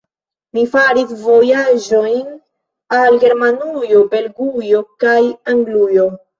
Li faris vojaĝojn al Germanujo, Belgujo kaj Anglujo.